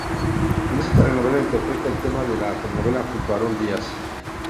En esta telenovela interpreta el tema de la telenovela junto a Aarón Díaz.